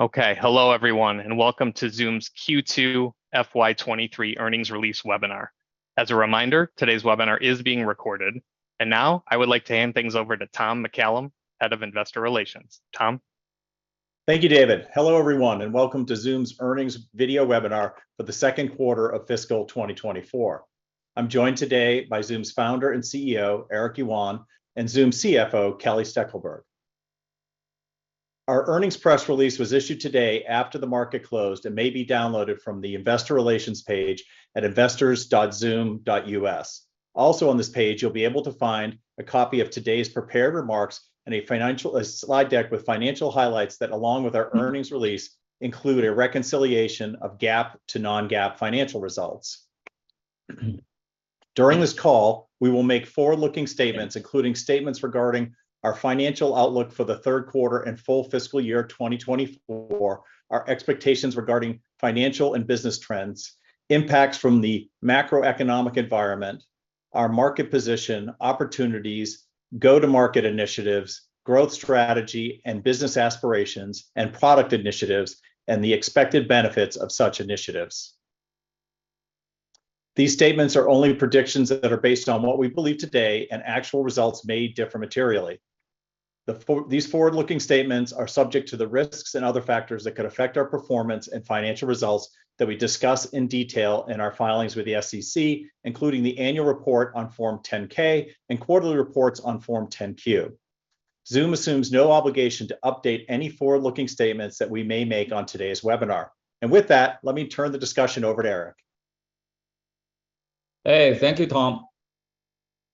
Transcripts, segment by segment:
Okay. Hello, everyone, and welcome to Zoom's Q2 FY24 earnings release webinar. As a reminder, today's webinar is being recorded. Now I would like to hand things over to Tom McCallum, Head of Investor Relations. Tom? Thank you, David. Hello, everyone, and welcome to Zoom's earnings video webinar for the 2nd quarter of fiscal 2024. I'm joined today by Zoom's founder and CEO, Eric Yuan, and Zoom CFO, Kelly Steckelberg. Our earnings press release was issued today after the market closed, and may be downloaded from the investor relations page at investors.zoom.us. Also on this page, you'll be able to find a copy of today's prepared remarks and a slide deck with financial highlights that, along with our earnings release, include a reconciliation of GAAP to non-GAAP financial results. During this call, we will make forward-looking statements, including statements regarding our financial outlook for the third quarter and full fiscal year 2024, our expectations regarding financial and business trends, impacts from the macroeconomic environment, our market position, opportunities, go-to-market initiatives, growth strategy, and business aspirations, and product initiatives, and the expected benefits of such initiatives. These statements are only predictions that are based on what we believe today, and actual results may differ materially. These forward-looking statements are subject to the risks and other factors that could affect our performance and financial results that we discuss in detail in our filings with the SEC, including the annual report on Form 10-K and quarterly reports on Form 10-Q. Zoom assumes no obligation to update any forward-looking statements that we may make on today's webinar. With that, let me turn the discussion over to Eric. Hey. Thank you, Tom.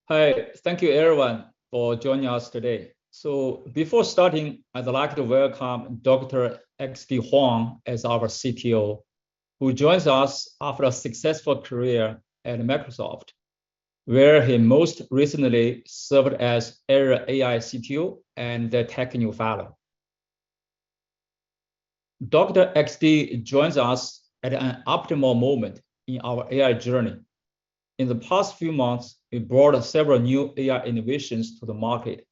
Hi, thank you everyone for joining us today. Before starting, I'd like to welcome Dr. XD Huang as our CTO, who joins us after a successful career at Microsoft, where he most recently served as AI Field CTO and Technology Evangelist. Dr. XD joins us at an optimal moment in our AI journey. In the past few months, we've brought several new AI innovations to the market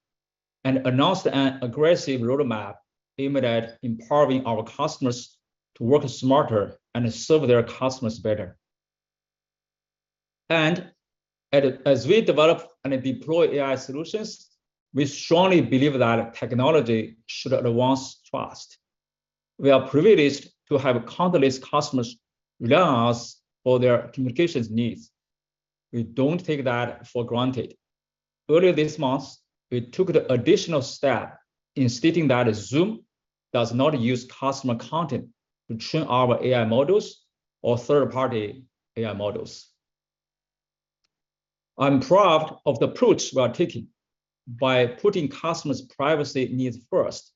and announced an aggressive roadmap aimed at empowering our customers to work smarter and serve their customers better. As we develop and deploy AI solutions, we strongly believe that technology should advance trust. We are privileged to have countless customers rely on us for their communications needs. We don't take that for granted. Earlier this month, we took the additional step in stating that Zoom does not use customer content to train our AI models or third-party AI models. I'm proud of the approach we are taking. By putting customers' privacy needs first,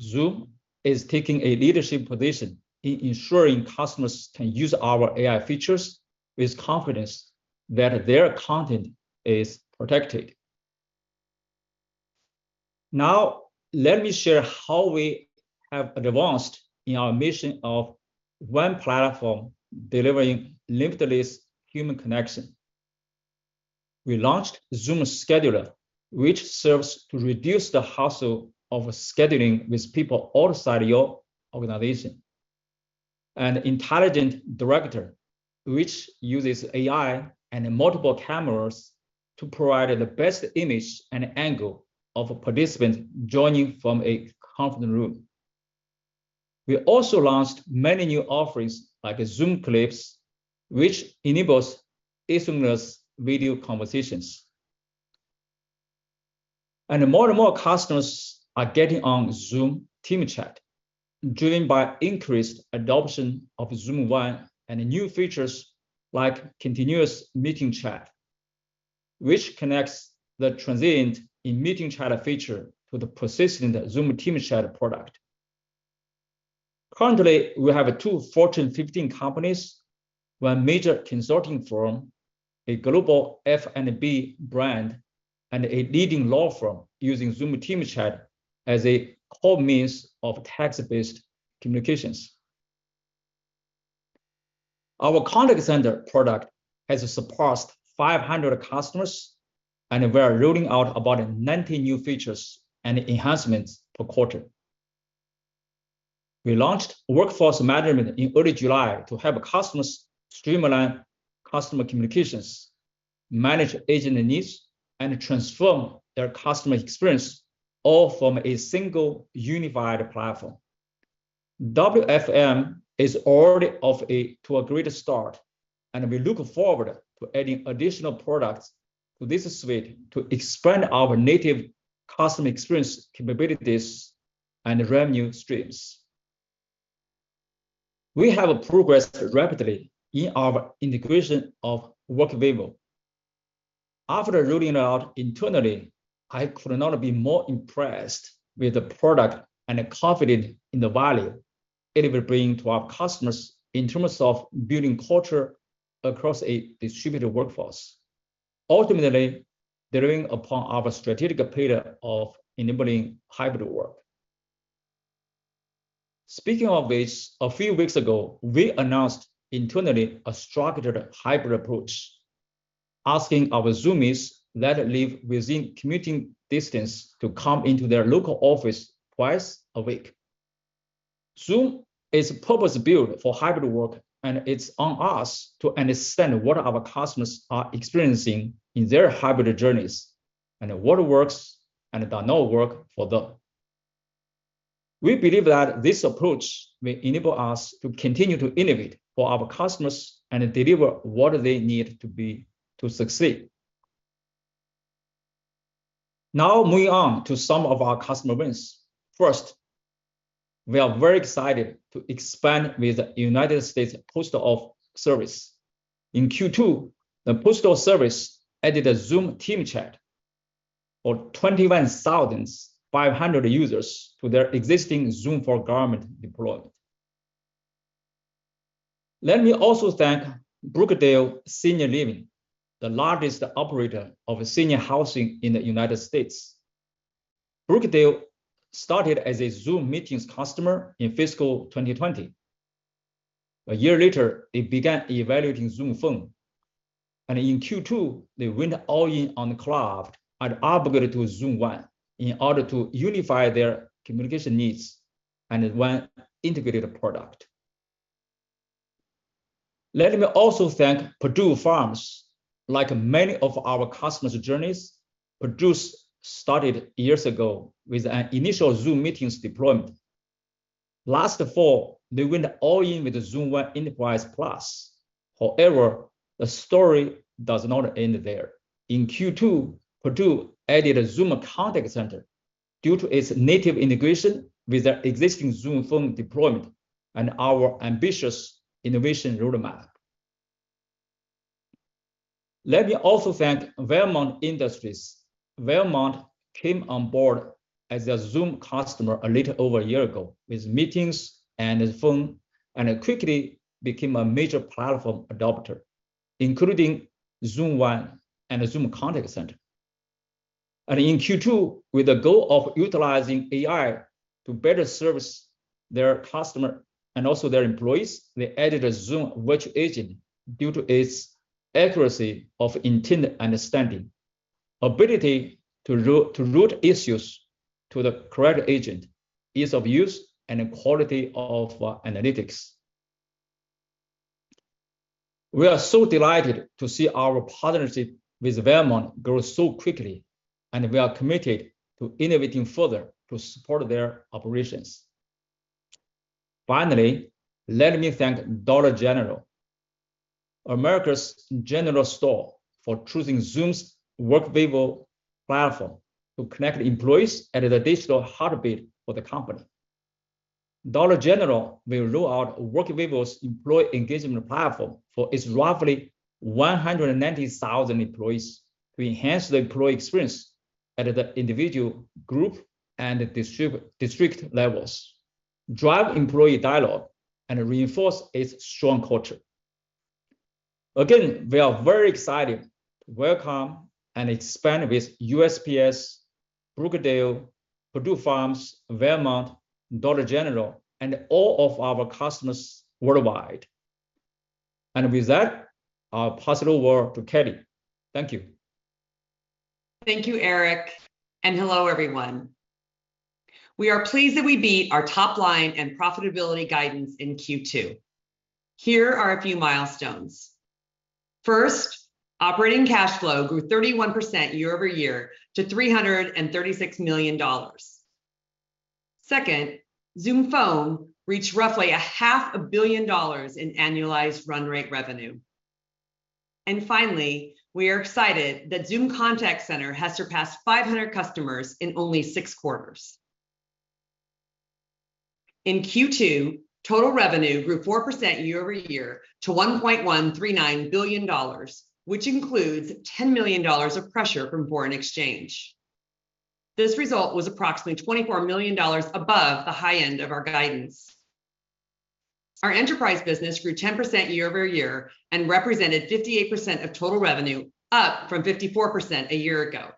Zoom is taking a leadership position in ensuring customers can use our AI features with confidence that their content is protected. Now, let me share how we have advanced in our mission of one platform delivering limitless human connection. We launched Zoom Scheduler, which serves to reduce the hassle of scheduling with people outside your organization, and Intelligent Director, which uses AI and multiple cameras to provide the best image and angle of a participant joining from a conference room. We also launched many new offerings, like Zoom Clips, which enables asynchronous video conversations. More and more customers are getting on Zoom Team Chat, driven by increased adoption of Zoom One and new features like Continuous Meeting Chat, which connects the transient in Meeting Chat feature to the persistent Zoom Team Chat product. Currently, we have 2 Fortune 50 companies, one major consulting firm, a global F&B brand, and a leading law firm using Zoom Team Chat as a core means of text-based communications. Our contact center product has surpassed 500 customers, and we are rolling out about 90 new features and enhancements per quarter. We launched Workforce Management in early July to help customers streamline customer communications, manage agent needs, and transform their customer experience, all from a single unified platform. WFM is already off a to a great start, and we look forward to adding additional products to this suite to expand our native customer experience capabilities and revenue streams. We have progressed rapidly in our integration of Workvivo. After rolling it out internally, I could not be more impressed with the product and confident in the value it will bring to our customers in terms of building culture across a distributed workforce, ultimately delivering upon our strategic pillar of enabling hybrid work. Speaking of this, a few weeks ago, we announced internally a structured hybrid approach, asking our Zoomies that live within commuting distance to come into their local office twice a week. Zoom is purpose-built for hybrid work, and it's on us to understand what our customers are experiencing in their hybrid journeys, and what works and does not work for them. We believe that this approach will enable us to continue to innovate for our customers and deliver what they need to be to succeed. Now, moving on to some of our customer wins. First, we are very excited to expand with the United States Postal Service. In Q2, the Postal Service added a Zoom Team Chat, or 21,500 users to their existing Zoom for Government deployment. Let me also thank Brookdale Senior Living, the largest operator of senior housing in the United States. Brookdale started as a Zoom Meetings customer in fiscal 2020. A year later, they began evaluating Zoom Phone, and in Q2, they went all in on the cloud and upgraded to Zoom One in order to unify their communication needs in one integrated product. Let me also thank Perdue Farms. Like many of our customers' journeys, Perdue started years ago with an initial Zoom Meetings deployment. Last fall, they went all in with the Zoom Enterprise Plus. However, the story does not end there. In Q2, Perdue added a Zoom Contact Center due to its native integration with their existing Zoom Phone deployment and our ambitious innovation roadmap. Let me also thank Valmont Industries. Valmont came on board as a Zoom customer a little over one year ago with Meetings and Phone, and it quickly became a major platform adopter, including Zoom One and Zoom Contact Center. In Q2, with the goal of utilizing AI to better service their customer and also their employees, they added a Zoom Virtual Agent due to its accuracy of intent understanding, ability to route issues to the correct agent, ease of use, and quality of analytics. We are so delighted to see our partnership with Valmont grow so quickly, and we are committed to innovating further to support their operations. Finally, let me thank Dollar General, America's general store, for choosing Zoom's Workvivo platform to connect employees at the digital heartbeat of the company. Dollar General will roll out Workvivo's employee engagement platform for its roughly 190,000 employees to enhance the employee experience at the individual, group, and district levels, drive employee dialogue, and reinforce its strong culture. Again, we are very excited to welcome and expand with USPS, Brookdale, Perdue Farms, Valmont, Dollar General, and all of our customers worldwide. With that, I'll pass it over to Kelly. Thank you. Thank you, Eric, and hello, everyone. We are pleased that we beat our top line and profitability guidance in Q2. Here are a few milestones. First, operating cash flow grew 31% year-over-year to $336 million. Second, Zoom Phone reached roughly $500 million in annualized run rate revenue. Finally, we are excited that Zoom Contact Center has surpassed 500 customers in only six quarters. In Q2, total revenue grew 4% year-over-year to $1.139 billion, which includes $10 million of pressure from foreign exchange. This result was approximately $24 million above the high end of our guidance. Our enterprise business grew 10% year-over-year and represented 58% of total revenue, up from 54% a year ago.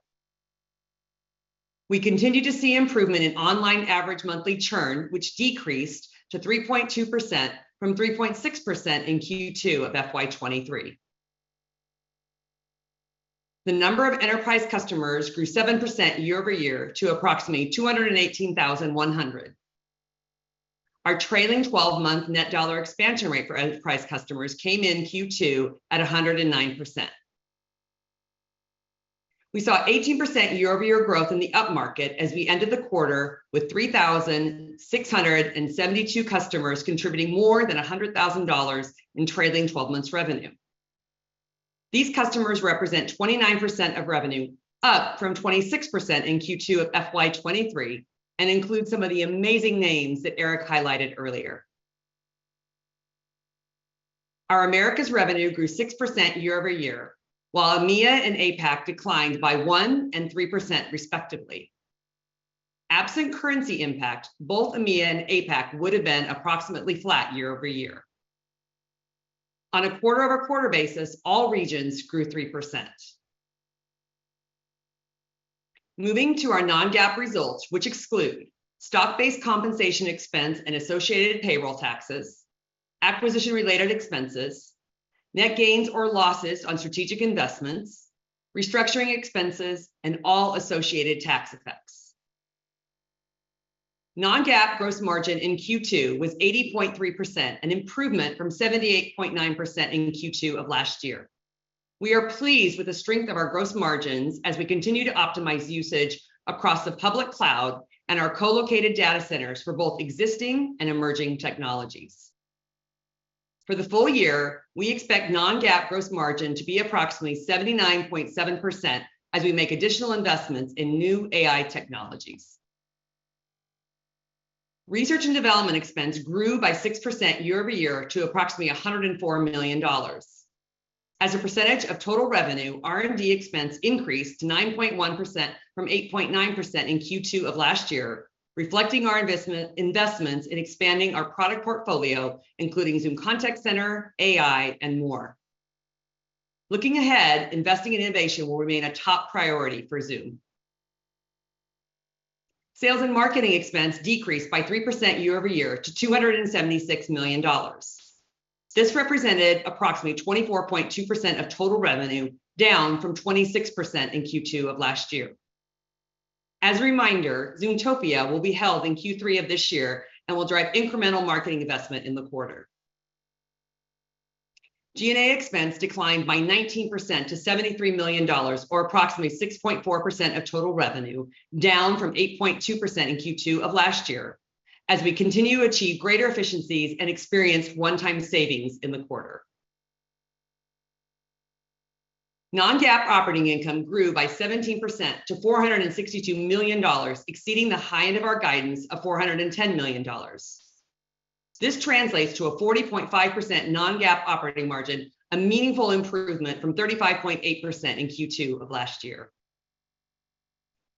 We continue to see improvement in online average monthly churn, which decreased to 3.2% from 3.6% in Q2 of FY23. The number of enterprise customers grew 7% year-over-year to approximately 218,100. Our trailing twelve-month Net Dollar Expansion Rate for enterprise customers came in Q2 at 109%. We saw 18% year-over-year growth in the upmarket as we ended the quarter with 3,672 customers, contributing more than $100,000 in trailing twelve months revenue. These customers represent 29% of revenue, up from 26% in Q2 of FY23, and include some of the amazing names that Eric highlighted earlier. Our Americas revenue grew 6% year-over-year, while EMEA and APAC declined by 1% and 3%, respectively. Absent currency impact, both EMEA and APAC would have been approximately flat year-over-year. On a quarter-over-quarter basis, all regions grew 3%. Moving to our non-GAAP results, which exclude stock-based compensation expense and associated payroll taxes, acquisition-related expenses, net gains or losses on strategic investments, restructuring expenses, and all associated tax effects. Non-GAAP gross margin in Q2 was 80.3%, an improvement from 78.9% in Q2 of last year. We are pleased with the strength of our gross margins as we continue to optimize usage across the public cloud and our co-located data centers for both existing and emerging technologies. For the full year, we expect non-GAAP gross margin to be approximately 79.7% as we make additional investments in new AI technologies. R&D expense grew by 6% year-over-year to approximately $104 million. As a percentage of total revenue, R&D expense increased to 9.1% from 8.9% in Q2 of last year, reflecting our investments in expanding our product portfolio, including Zoom Contact Center, AI, and more. Looking ahead, investing in innovation will remain a top priority for Zoom. Sales and marketing expense decreased by 3% year-over-year to $276 million. This represented approximately 24.2% of total revenue, down from 26% in Q2 of last year. As a reminder, Zoomtopia will be held in Q3 of this year and will drive incremental marketing investment in the quarter. G&A expense declined by 19% to $73 million, or approximately 6.4% of total revenue, down from 8.2% in Q2 of last year, as we continue to achieve greater efficiencies and experience one-time savings in the quarter. Non-GAAP operating income grew by 17% to $462 million, exceeding the high end of our guidance of $410 million. This translates to a 40.5% non-GAAP operating margin, a meaningful improvement from 35.8% in Q2 of last year.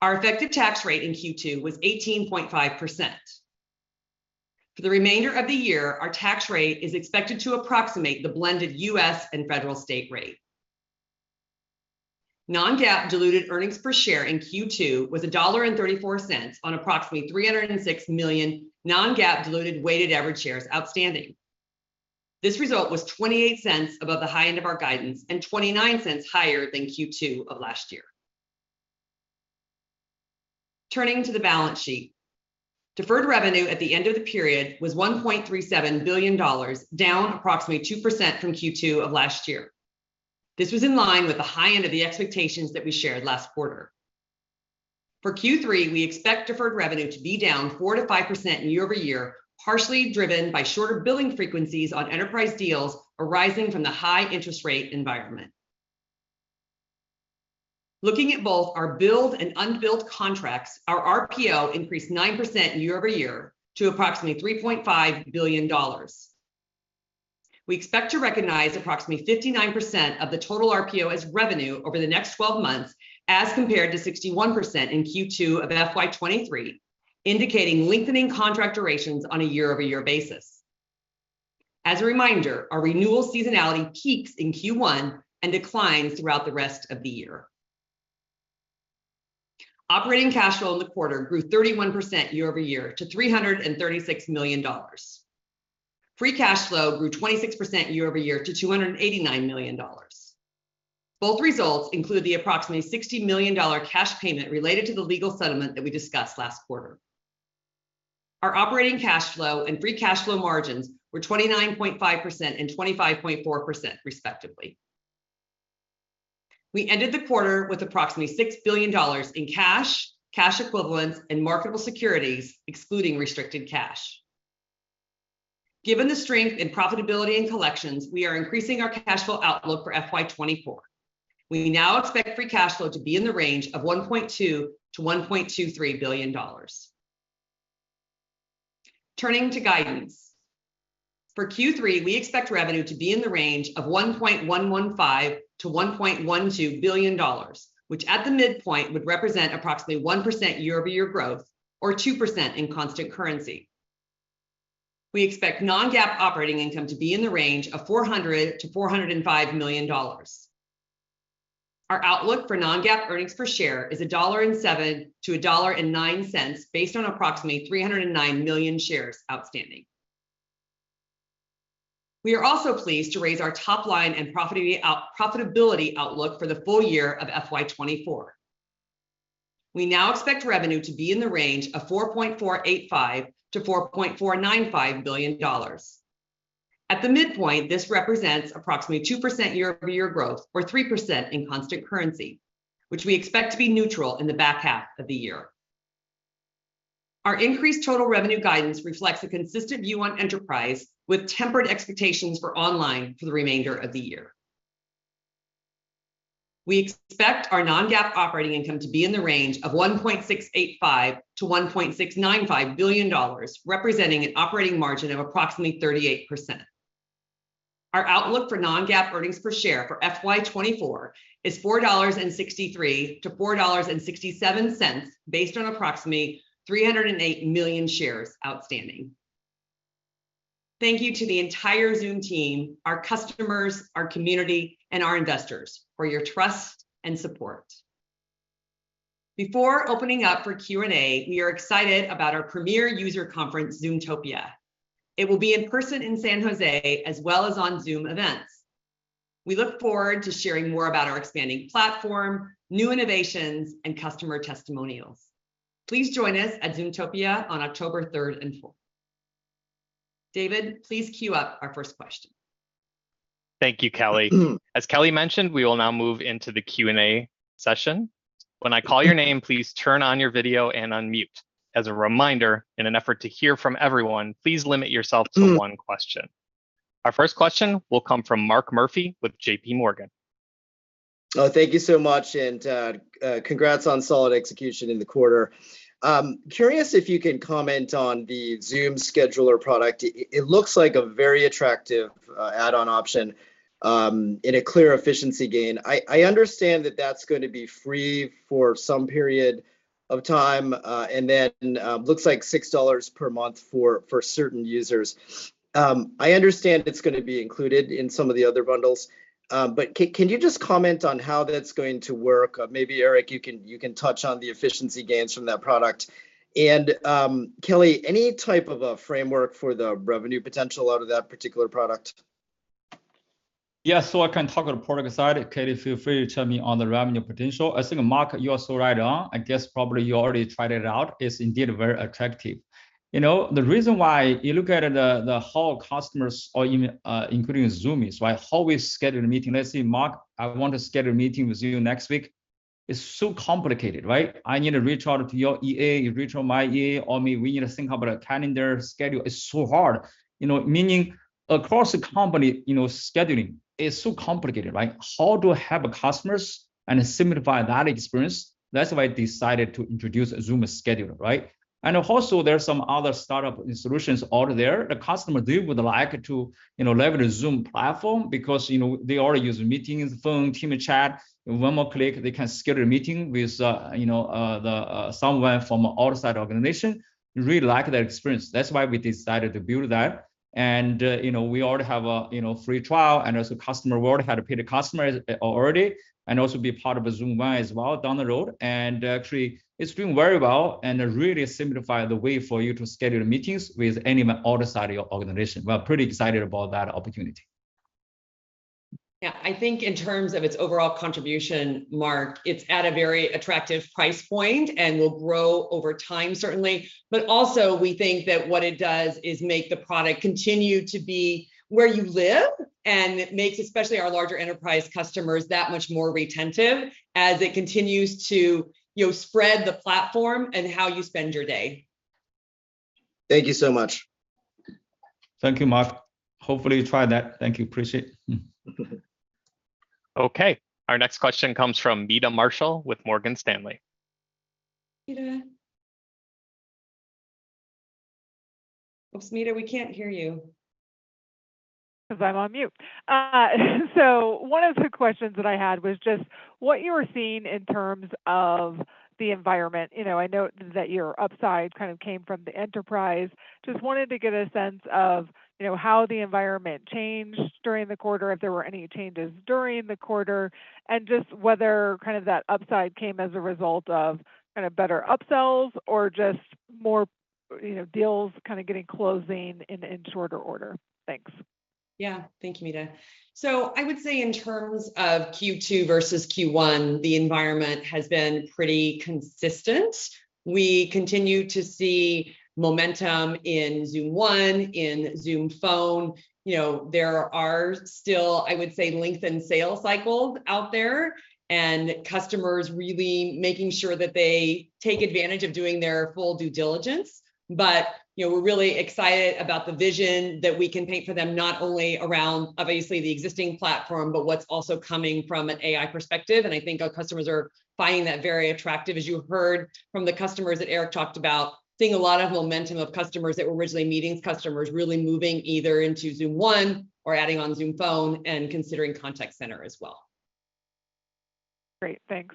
Our effective tax rate in Q2 was 18.5%. For the remainder of the year, our tax rate is expected to approximate the blended U.S. and federal state rate. Non-GAAP diluted earnings per share in Q2 was $1.34 on approximately 306 million non-GAAP diluted weighted average shares outstanding. This result was $0.28 above the high end of our guidance and $0.29 higher than Q2 of last year. Turning to the balance sheet, deferred revenue at the end of the period was $1.37 billion, down approximately 2% from Q2 of last year. This was in line with the high end of the expectations that we shared last quarter. For Q3, we expect deferred revenue to be down 4%-5% year-over-year, partially driven by shorter billing frequencies on enterprise deals arising from the high interest rate environment. Looking at both our billed and unbilled contracts, our RPO increased 9% year-over-year to approximately $3.5 billion. We expect to recognize approximately 59% of the total RPO as revenue over the next 12 months, as compared to 61% in Q2 of FY23, indicating lengthening contract durations on a year-over-year basis. As a reminder, our renewal seasonality peaks in Q1 and declines throughout the rest of the year. Operating cash flow in the quarter grew 31% year-over-year to $336 million. Free cash flow grew 26% year-over-year to $289 million. Both results include the approximately $60 million cash payment related to the legal settlement that we discussed last quarter. Our operating cash flow and free cash flow margins were 29.5% and 25.4%, respectively. We ended the quarter with approximately $6 billion in cash, cash equivalents, and marketable securities, excluding restricted cash. Given the strength in profitability and collections, we are increasing our cash flow outlook for FY24. We now expect free cash flow to be in the range of $1.2 billion-$1.23 billion. Turning to guidance. For Q3, we expect revenue to be in the range of $1.115 billion-$1.12 billion, which at the midpoint would represent approximately 1% year-over-year growth or 2% in constant currency. We expect non-GAAP operating income to be in the range of $400 million-$405 million. Our outlook for non-GAAP earnings per share is $1.07-$1.09, based on approximately 309 million shares outstanding. We are also pleased to raise our top line and profitability outlook for the full year of FY24. We now expect revenue to be in the range of $4.485 billion-$4.495 billion. At the midpoint, this represents approximately 2% year-over-year growth or 3% in constant currency, which we expect to be neutral in the back half of the year. Our increased total revenue guidance reflects a consistent view on enterprise, with tempered expectations for online for the remainder of the year. We expect our non-GAAP operating income to be in the range of $1.685 billion-$1.695 billion, representing an operating margin of approximately 38%. Our outlook for non-GAAP earnings per share for FY24 is $4.63-$4.67, based on approximately 308 million shares outstanding. Thank you to the entire Zoom team, our customers, our community, and our investors for your trust and support. Before opening up for Q&A, we are excited about our premier user conference, Zoomtopia. It will be in person in San Jose, as well as on Zoom Events. We look forward to sharing more about our expanding platform, new innovations, and customer testimonials. Please join us at Zoomtopia on October 3rd and 4th. David, please queue up our first question. Thank you, Kelly. As Kelly mentioned, we will now move into the Q&A session. When I call your name, please turn on your video and unmute. As a reminder, in an effort to hear from everyone, please limit yourself to one question. Our first question will come from Mark Murphy with JPMorgan. Oh, thank you so much, and congrats on solid execution in the quarter. Curious if you can comment on the Zoom Scheduler product. It, it looks like a very attractive add-on option, and a clear efficiency gain. I, I understand that that's going to be free for some period of time, and then, looks like $6 per month for, for certain users. I understand it's gonna be included in some of the other bundles, but can, can you just comment on how that's going to work? Maybe Eric, you can, you can touch on the efficiency gains from that product. Kelly, any type of a framework for the revenue potential out of that particular product? I can talk on the product side. Kelly, feel free to chime in on the revenue potential. I think, Mark, you are so right on. I guess probably you already tried it out. It's indeed very attractive. You know, the reason why you look at the, the how customers or even, including Zoomies, right, how we schedule a meeting. Let's say, Mark, I want to schedule a meeting with you next week. It's so complicated, right? I need to reach out to your EA, you reach out to my EA, or maybe we need to think about a calendar schedule. It's so hard. You know, meaning across the company, you know, scheduling is so complicated, like, how do I help customers and simplify that experience? That's why I decided to introduce Zoom Scheduler, right? Also there are some other startup solutions out there. The customer, they would like to, you know, leverage Zoom platform because, you know, they already use Meeting and Phone, Team Chat, in one more click, they can schedule a meeting with, you know, someone from an outside organization. Really like that experience. That's why we decided to build that. You know, we already have a, you know, free trial, and also customer world, how to pay the customers already, and also be part of Zoom One as well down the road. Actually, it's doing very well, and it really simplify the way for you to schedule meetings with anyone outside your organization. We're pretty excited about that opportunity. Yeah, I think in terms of its overall contribution, Mark, it's at a very attractive price point and will grow over time, certainly. Also, we think that what it does is make the product continue to be where you live, and it makes, especially our larger enterprise customers, that much more retentive as it continues to, you know, spread the platform and how you spend your day. Thank you so much. Thank you, Mark. Hopefully, you try that. Thank you. Appreciate it. Our next question comes from Meta Marshall with Morgan Stanley. Meta? Oops, Meta, we can't hear you. 'Cause I'm on mute. One of the questions that I had was just what you were seeing in terms of the environment. You know, I know that your upside kind of came from the enterprise. Just wanted to get a sense of, you know, how the environment changed during the quarter, if there were any changes during the quarter, and just whether kind of that upside came as a result of kind of better upsells or just more, you know, deals kind of getting closing in, in shorter order? Thanks. Yeah. Thank you, Meta. I would say in terms of Q2 versus Q1, the environment has been pretty consistent. We continue to see momentum in Zoom One, in Zoom Phone. You know, there are still, I would say, lengthened sales cycles out there, and customers really making sure that they take advantage of doing their full due diligence. You know, we're really excited about the vision that we can paint for them, not only around obviously the existing platform, but what's also coming from an AI perspective, and I think our customers are finding that very attractive. As you heard from the customers that Eric talked about, seeing a lot of momentum of customers that were originally meetings customers really moving either into Zoom One or adding on Zoom Phone and considering Contact Center as well. Great. Thanks.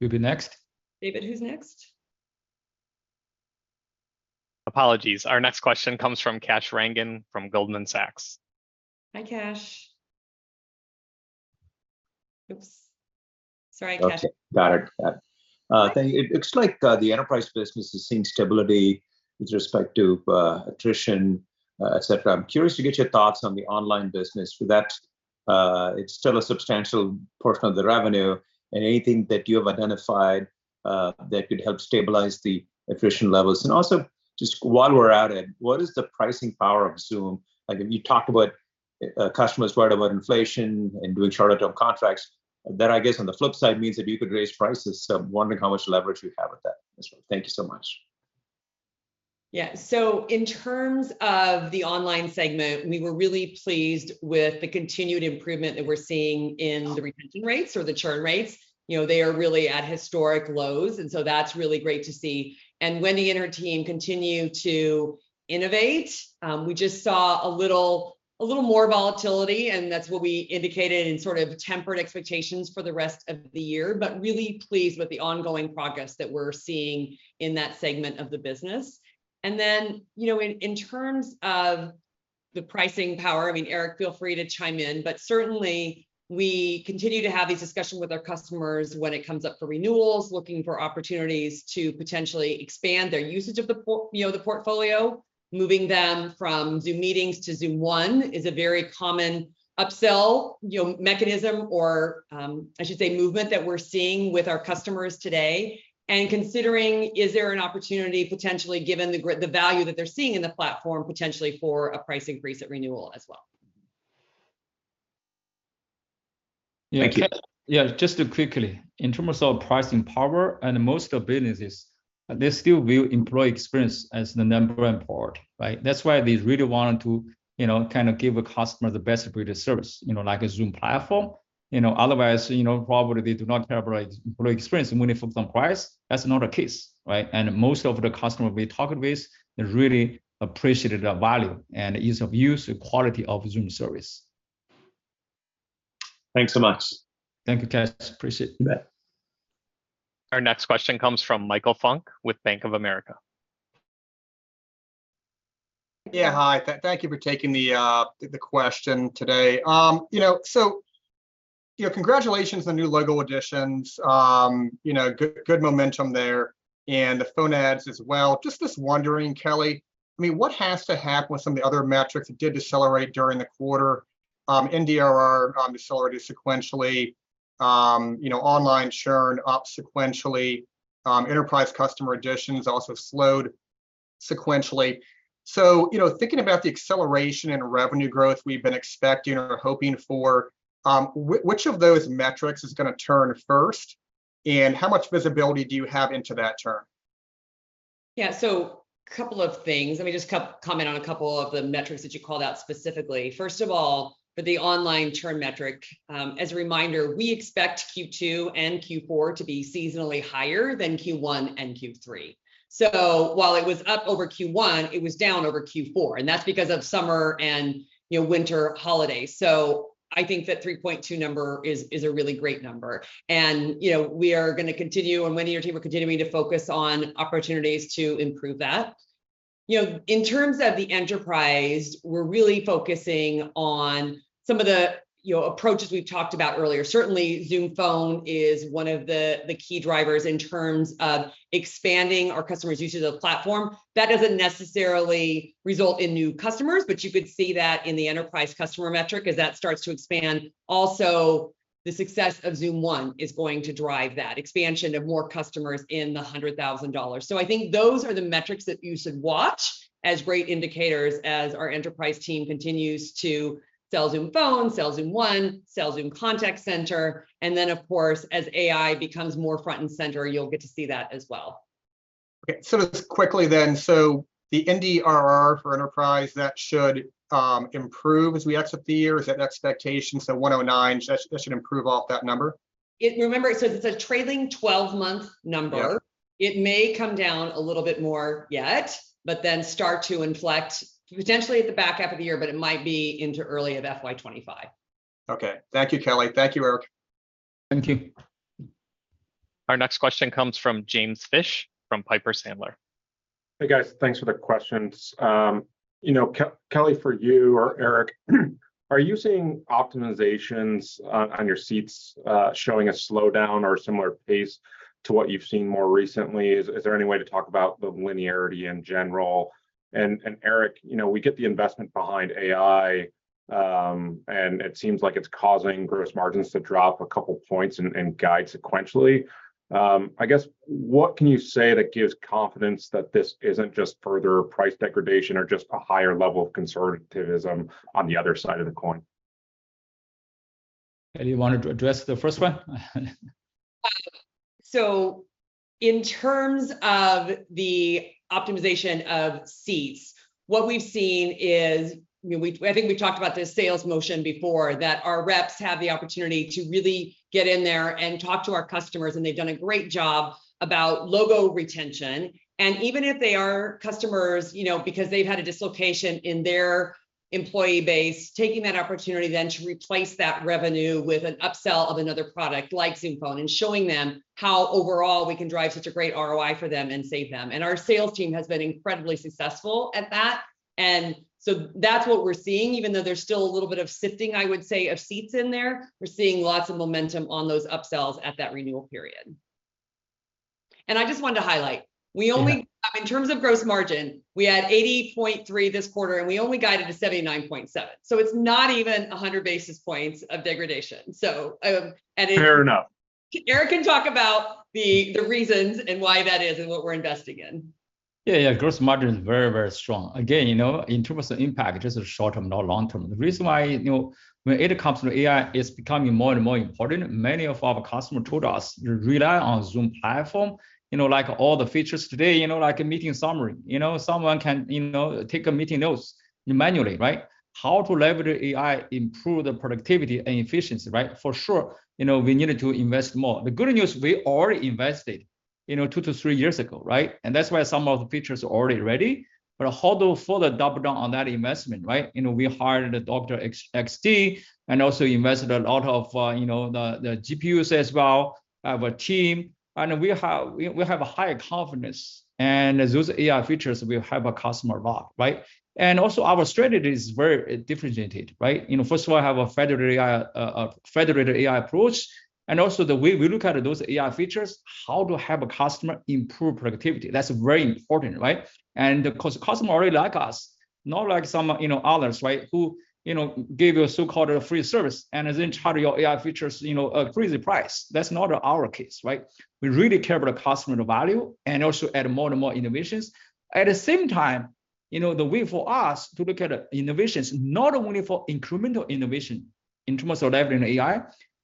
Meta next? David, who's next? Apologies. Our next question comes from Kasthuri Rangan from Goldman Sachs. Hi, Kash. Oops. Sorry, Kash. Okay, got it. Thank you. It looks like the enterprise business is seeing stability with respect to attrition, et cetera. I'm curious to get your thoughts on the online business. That it's still a substantial portion of the revenue and anything that you have identified, that could help stabilize the attrition levels. Also, just while we're at it, what is the pricing power of Zoom? Like, when you talked about customers worried about inflation and doing shorter-term contracts, that I guess on the flip side means that you could raise prices. I'm wondering how much leverage you have with that as well. Thank you so much. Yeah. In terms of the online segment, we were really pleased with the continued improvement that we're seeing in the retention rates or the churn rates. You know, they are really at historic lows, and so that's really great to see. Wendy and her team continue to innovate. a little, a little more volatility, and that's what we indicated in sort of tempered expectations for the rest of the year. really pleased with the ongoing progress that we're seeing in that segment of the business. Then, you know, in, in terms of the pricing power, I mean, Eric, feel free to chime in, but certainly we continue to have these discussions with our customers when it comes up for renewals, looking for opportunities to potentially expand their usage of the portfolio, moving them from Zoom Meetings to Zoom One is a very common upsell, you know, mechanism, or, I should say, movement that we're seeing with our customers today. Considering, is there an opportunity potentially, given the value that they're seeing in the platform, potentially for a price increase at renewal as well? Thank you. Yeah, just quickly, in terms of pricing power, and most of businesses, they still view employee experience as the number one part, right? That's why they really want to, you know, kind of give a customer the best greater service, you know, like a Zoom platform. You know, otherwise, you know, probably they do not have a right employee experience and when it comes down to price, that's not the case, right? Most of the customer we're talking with, they really appreciated the value and ease of use, the quality of Zoom service. Thanks so much. Thank you, guys. Appreciate that. Our next question comes from Michael Funk with Bank of America. Yeah, hi, thank you for taking the question today. You know, so, you know, congratulations on the new logo additions, you know, good, good momentum there, and the phone adds as well. Just was wondering, Kelly, I mean, what has to happen with some of the other metrics that did decelerate during the quarter? NDR decelerated sequentially, you know, online churn up sequentially, enterprise customer additions also slowed sequentially. You know, thinking about the acceleration in revenue growth we've been expecting or hoping for, which of those metrics is gonna turn first, and how much visibility do you have into that turn? Yeah, couple of things. Let me just comment on a couple of the metrics that you called out specifically. First of all, for the online churn metric, as a reminder, we expect Q2 and Q4 to be seasonally higher than Q1 and Q3. While it was up over Q1, it was down over Q4, and that's because of summer and, you know, winter holidays. I think that 3.2 number is, is a really great number. And, you know, we are gonna continue, and Wendy and her team are continuing to focus on opportunities to improve that. You know, in terms of the enterprise, we're really focusing on some of the, you know, approaches we've talked about earlier. Certainly, Zoom Phone is one of the, the key drivers in terms of expanding our customers' usage of the platform. That doesn't necessarily result in new customers, but you could see that in the enterprise customer metric as that starts to expand. The success of Zoom One is going to drive that expansion of more customers in the $100,000. I think those are the metrics that you should watch as great indicators as our enterprise team continues to sell Zoom Phone, sell Zoom One, sell Zoom Contact Center, and then, of course, as AI becomes more front and center, you'll get to see that as well. Just quickly then, so the NDR for enterprise, that should improve as we exit the year? Is that an expectation, so 109, that should, that should improve off that number? Remember, it's a 12-month number. Yep. It may come down a little bit more yet, but then start to inflect potentially at the back half of the year, but it might be into early of FY25. Okay. Thank you, Kelly. Thank you, Eric. Thank you. Our next question comes from James Fish, from Piper Sandler. Hey, guys, thanks for the questions. you know, Kelly, for you or Eric, are you seeing optimizations on your seats showing a slowdown or a similar pace to what you've seen more recently? Is there any way to talk about the linearity in general? Eric, you know, we get the investment behind AI, and it seems like it's causing gross margins to drop a couple points and guide sequentially. I guess, what can you say that gives confidence that this isn't just further price degradation or just a higher level of conservatism on the other side of the coin? Kelly, you want to address the first one? In terms of the optimization of seats, what we've seen is, I think we've talked about this sales motion before, that our reps have the opportunity to really get in there and talk to our customers, and they've done a great job about logo retention. Even if they are customers, you know, because they've had a dislocation in their employee base, taking that opportunity then to replace that revenue with an upsell of another product, like Zoom Phone, and showing them how overall we can drive such a great ROI for them and save them. Our sales team has been incredibly successful at that, and that's what we're seeing, even though there's still a little bit of sifting, I would say, of seats in there. We're seeing lots of momentum on those upsells at that renewal period. I just wanted to highlight. Yeah. In terms of gross margin, we had 80.3% this quarter, and we only guided to 79.7%, so it's not even 100 basis points of degradation. Fair enough. Eric can talk about the, the reasons and why that is and what we're investing in. Yeah, yeah, gross margin is very, very strong. Again, you know, in terms of impact, it's just short term, not long term. The reason why, you know, when it comes to AI, it's becoming more and more important. Many of our customer told us, you rely on Zoom platform, you know, like all the features today, you know, like a meeting summary. You know, someone can, you know, take a meeting notes manually, right? How to leverage AI, improve the productivity and efficiency, right? For sure. You know, we needed to invest more. The good news, we already invested, you know, two to three years ago, right? That's why some of the features are already ready. How do we further double down on that investment, right? You know, we hired a Dr. XD, also invested a lot of, you know, the GPUs as well, have a team, we have a high confidence, those AI features will have a customer value, right? Also, our strategy is very differentiated, right? You know, first of all, I have a Federated AI, a Federated AI approach, also the way we look at those AI features, how to help a customer improve productivity. That's very important, right? Of course, the customer already like us, not like some, you know, others, right? Who, you know, give you a so-called a free service, then charge you AI features, you know, a crazy price. That's not our case, right? We really care about the customer value, also add more and more innovations. At the same time, you know, the way for us to look at innovations, not only for incremental innovation, incremental delivering AI,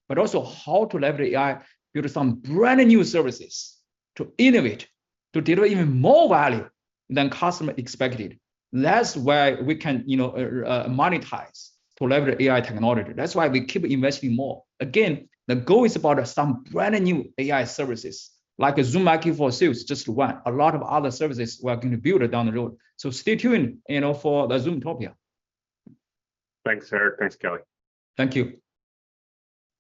but also how to leverage AI to build some brand new services, to innovate, to deliver even more value than customer expected. That's where we can, you know, monetize to leverage AI technology. That's why we keep investing more. Again, the goal is about some brand new AI services, like a Zoom IQ for Sales, just one. A lot of other services we're going to build down the road. Stay tuned, you know, for the Zoomtopia. Thanks, Eric. Thanks, Kelly. Thank you.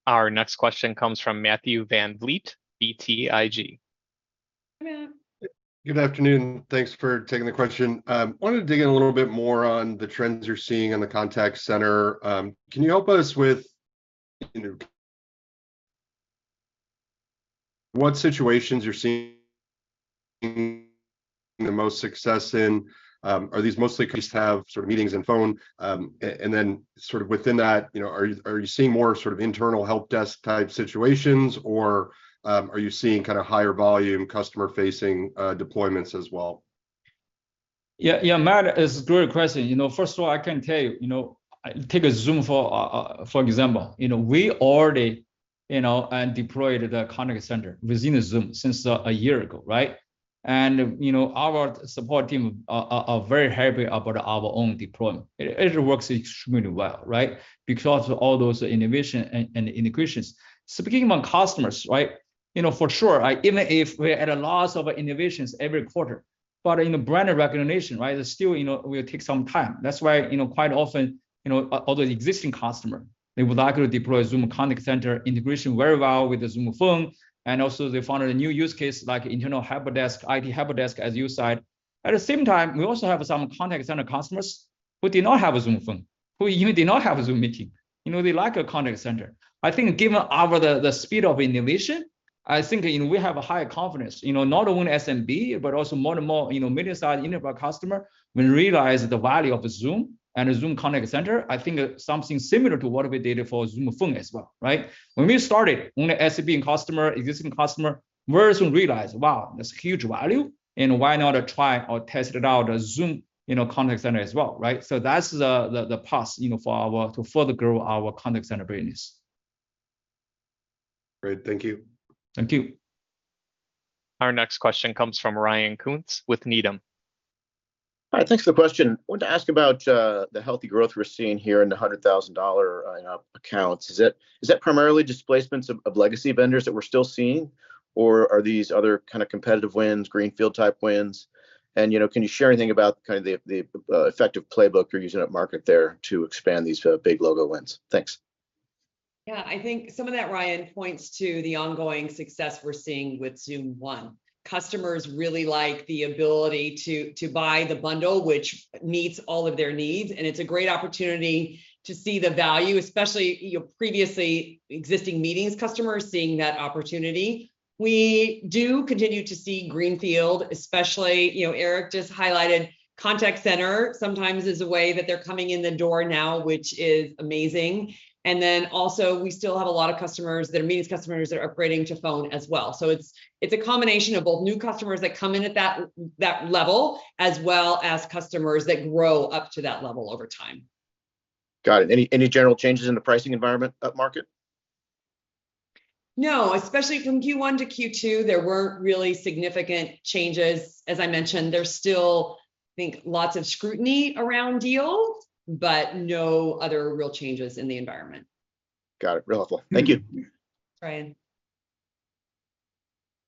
Our next question comes from Matthew VanVliet, BTIG. Hi, Matt. Good afternoon, thanks for taking the question. I wanted to dig in a little bit more on the trends you're seeing in the contact center. Can you help us with, you know, what situations you're seeing the most success in? Are these mostly customers have sort of meetings and phone, and then sort of within that, you know, are, are you seeing more sort of internal helpdesk-type situations, or, are you seeing kind of higher volume, customer-facing, deployments as well? Yeah, yeah, Matt, it's a great question. You know, first of all, I can tell you, you know, take a Zoom for example. You know, we already, you know, and deployed the contact center within the Zoom since a year ago, right? You know, our support team are very happy about our own deployment. It works extremely well, right? Because of all those innovation and integrations. Speaking among customers, right, you know, for sure, even if we're at a loss of innovations every quarter, but in a brand recognition, right, it still, you know, will take some time. That's why, you know, quite often, you know, all the existing customer, they would like to deploy Zoom Contact Center integration very well with the Zoom Phone, and also they found a new use case, like internal helpdesk, IT helpdesk, as you said. At the same time, we also have some contact center customers who do not have a Zoom Phone, who even do not have a Zoom meeting. You know, they like a contact center. I think given our, the, the speed of innovation, I think, you know, we have a high confidence, you know, not only SMB, but also more and more, you know, mid-size enterprise customer, will realize the value of the Zoom and the Zoom Contact Center, I think something similar to what we did for Zoom Phone as well, right? When we started, when the SMB customer, existing customer, very soon realized, "Wow, that's huge value, and why not try or test it out a Zoom, you know, Contact Center as well," right? That's the, the, the path, you know, for our, to further grow our contact center business. Great. Thank you. Thank you. Our next question comes from Ryan Koontz with Needham. Hi, thanks for the question. I wanted to ask about the healthy growth we're seeing here in the $100,000 accounts. Is that primarily displacements of legacy vendors that we're still seeing, or are these other kind of competitive wins, greenfield-type wins? You know, can you share anything about kind of the effective playbook you're using up market there to expand these big logo wins? Thanks. Yeah, I think some of that, Ryan, points to the ongoing success we're seeing with Zoom One. Customers really like the ability to buy the bundle, which meets all of their needs, and it's a great opportunity to see the value, especially your previously existing meetings, customers seeing that opportunity. We do continue to see greenfield, especially, you know, Eric just highlighted contact center sometimes is a way that they're coming in the door now, which is amazing. Then also, we still have a lot of customers, their meetings customers that are upgrading to phone as well. It's a combination of both new customers that come in at that level, as well as customers that grow up to that level over time. Got it. Any, any general changes in the pricing environment up market? No, especially from Q1 to Q2, there weren't really significant changes. As I mentioned, there's still, I think, lots of scrutiny around deals, but no other real changes in the environment. Got it. Real helpful. Thank you. Mm-hmm. Ryan.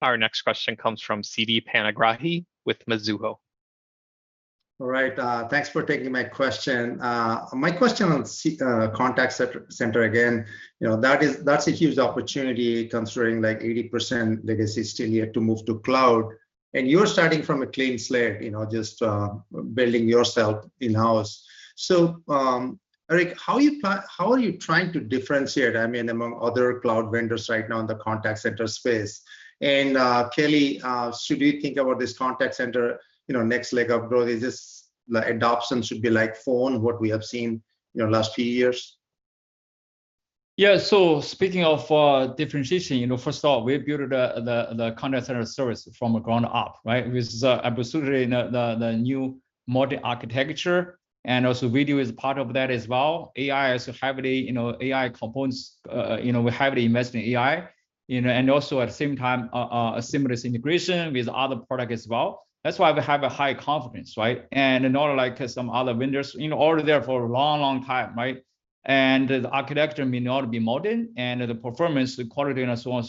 Our next question comes from Sitikantha Panigrahi with Mizuho. All right, thanks for taking my question. My question on contact center again, you know, that is, that's a huge opportunity, considering like 80% legacy is still yet to move to cloud, and you're starting from a clean slate, you know, just building yourself in-house. Eric, how are you trying to differentiate, I mean, among other cloud vendors right now in the contact center space? Kelly, should we think about this contact center, you know, next leg of growth, is this, like, adoption should be like phone, what we have seen, you know, last few years? Speaking of differentiation, you know, first of all, we built the contact center service from the ground up, right? With absolutely the new modern architecture, also video is part of that as well. AI is heavily, you know, AI components, you know, we're heavily invest in AI. You know, also at the same time, a seamless integration with other product as well. That's why we have a high confidence, right? In order, like some other vendors, you know, already there for a long, long time, right? The architecture may not be modern, and the performance, the quality, and so on,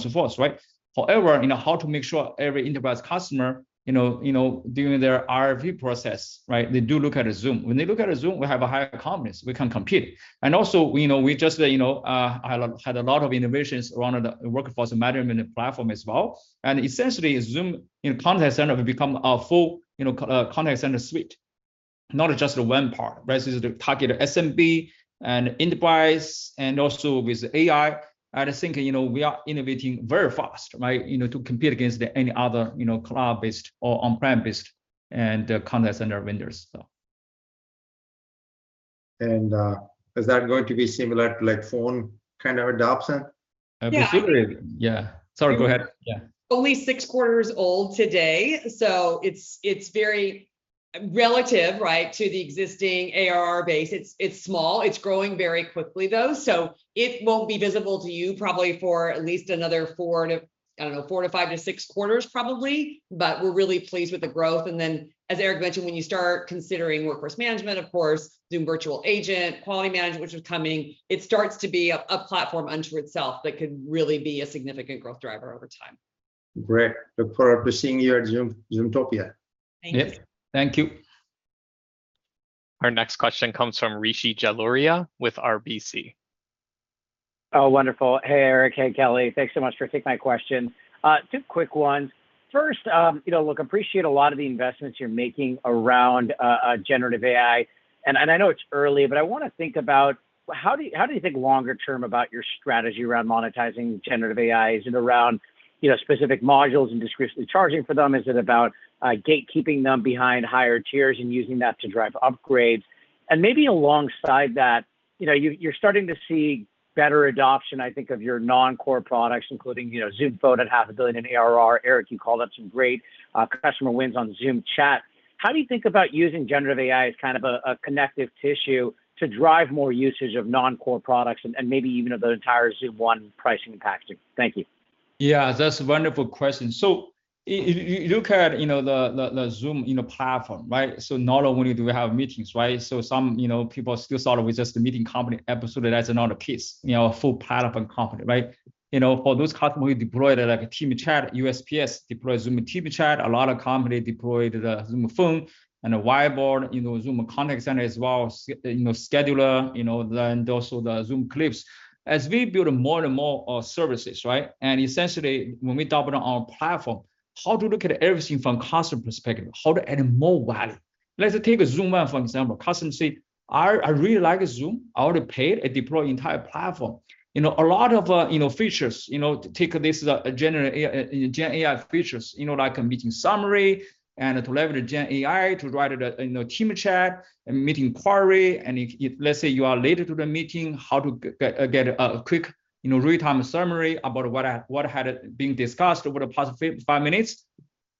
so forth, right? However, you know, how to make sure every enterprise customer, you know, you know, during their RFP process, right, they do look at Zoom. When they look at Zoom, we have a higher confidence we can compete. Also, we know, we just, you know, had a lot, had a lot of innovations around the Workforce Management platform as well. Essentially, Zoom, you know, Contact Center will become a full, you know, Contact Center suite, not just the one part. Right? This is to target SMB and enterprise, with AI, I just think, you know, we are innovating very fast, right, you know, to compete against any other, you know, cloud-based or on-premise-based and Contact Center vendors, so. Is that going to be similar to, like, phone kind of adoption? Yeah. Absolutely. Yeah. Sorry, go ahead. Yeah. Only six quarters old today, it's, it's very relative, right, to the existing ARR base. It's, it's small. It's growing very quickly, though, it won't be visible to you probably for at least another four to, I don't know, four to five to six quarters probably, but we're really pleased with the growth. As Eric mentioned, when you start considering Zoom Workforce Management, of course, Zoom Virtual Agent, Zoom Quality Management, which is coming, it starts to be a, a platform unto itself that could really be a significant growth driver over time. Great. Look forward to seeing you at Zoom, Zoomtopia. Thank you. Yep, thank you. Our next question comes from Rishi Jaluria with RBC. Oh, wonderful. Hey, Eric, hey, Kelly. Thanks so much for taking my question. Two quick ones. First, you know, look, appreciate a lot of the investments you're making around generative AI, and, and I know it's early, but I want to think about, how do you, how do you think longer term about your strategy around monetizing generative AI? Is it around, you know, specific modules and discretely charging for them? Is it about gatekeeping them behind higher tiers and using that to drive upgrades? Maybe alongside that, you know, you're, you're starting to see better adoption, I think, of your non-core products, including, you know, Zoom Phone at $500 million in ARR. Eric, you called out some great customer wins on Zoom Chat. How do you think about using generative AI as kind of a connective tissue to drive more usage of non-core products and maybe even of the entire Zoom One pricing package? Thank you. Yeah, that's a wonderful question. If you look at, you know, the, the, the Zoom, you know, platform, right? Not only do we have meetings, right? Some, you know, people still thought it was just a meeting company. Absolutely, that's another piece, you know, a full platform company, right? You know, for those customers, we deployed, like, a team chat. USPS deployed Zoom Team Chat. A lot of company deployed the Zoom Phone and a whiteboards, you know, Zoom Contact Center as well, you know, Zoom Scheduler, you know, then also the Zoom Clips. As we build more and more services, right, and essentially, when we talk about our platform, how to look at everything from customer perspective, how to add more value. Let's take Zoom Web, for example. Customer said, "I, I really like Zoom. I already paid and deployed the entire platform." You know, a lot of, you know, features, you know, take this as a GenAI features, you know, like a meeting summary, and to leverage GenAI to write it a, you know, team chat and meeting query. If, let's say you are late to the meeting, how to get a quick, you know, real-time summary about what had been discussed over the past five minutes.